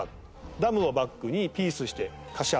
ダムをバックにピースしてカシャ。